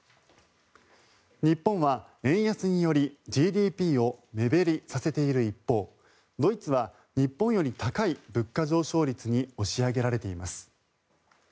日本は円安によりＧＤＰを目減りさせている一方ドイツは日本より高い物価上昇率に押し上げられています。